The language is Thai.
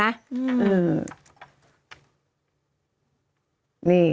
อืม